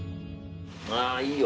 あいいよ